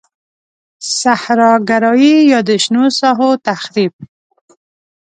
صحرا ګرایی یا د شنو ساحو تخریب.